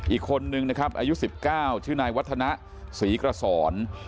อีกคนนึงนะครับอายุ๑๙ชื่อนายวัฒนะศรีกระสอน